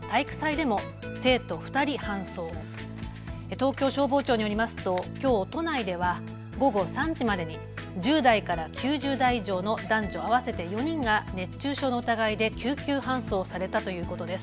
東京消防庁によりますときょう都内では午後３時までに１０代から９０代以上の男女合わせて４人が熱中症の疑いで救急搬送されたということです。